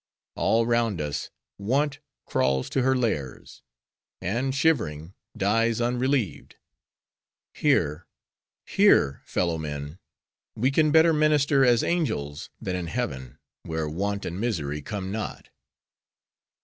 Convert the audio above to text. All round us, Want crawls to her lairs; and, shivering, dies unrelieved. Here, here, fellow men, we can better minister as angels, than in heaven, where want and misery come not.